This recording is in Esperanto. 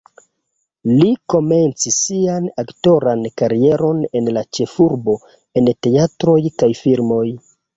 Li komencis sian aktoran karieron en la ĉefurbo en teatroj kaj filmoj.